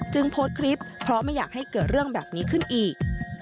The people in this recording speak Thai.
โพสต์คลิปเพราะไม่อยากให้เกิดเรื่องแบบนี้ขึ้นอีก